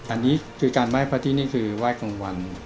อันนี้คือการว่ายพระอาทิตย์นี่คือว่ายกลางวัน